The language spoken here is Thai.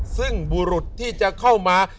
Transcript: ซึ่งบุรุษที่จะเข้ามา